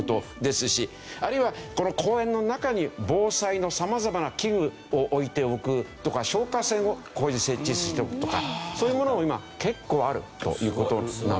あるいはこの公園の中に防災のさまざまな器具を置いておくとか消火栓をここに設置しておくとかそういうものも今結構あるという事なんですよね。